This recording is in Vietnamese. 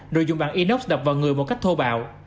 rồi dùng bảng inox đập vào người một cách thô bạo